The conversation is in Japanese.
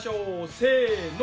せの。